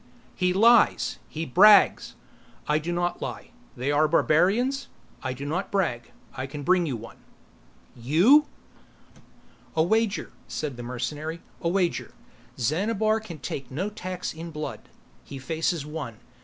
"He lies! He brags!" "I do not lie. They are barbarians. I do not brag. I can bring you one." "You " "A wager," said the mercenary. "A wager. Xanabar can take no tax in blood." He faces one.